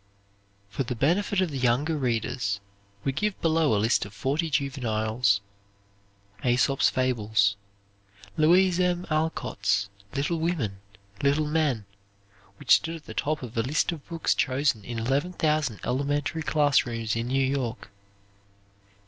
For the benefit of the younger readers we give below a list of forty juveniles. Aesop's "Fables." Louise M. Alcott's "Little Women," "Little Men," which stood at the top of a list of books chosen in eleven thousand elementary class rooms in New York.